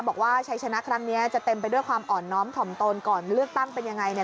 บอกว่าชัยชนะครั้งนี้จะเต็มไปด้วยความอ่อนน้อมถ่อมตนก่อนเลือกตั้งเป็นยังไง